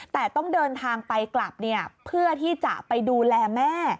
แต่ต้องเดินทางไปกลับเพื่อที่จะไปดูแลแม่